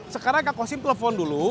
sekarang kang kostim telepon dulu